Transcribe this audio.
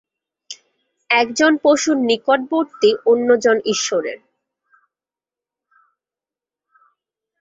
একজন পশুর নিকটবর্তী, অন্যজন ঈশ্বরের।